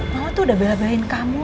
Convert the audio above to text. mama tuh udah babain kamu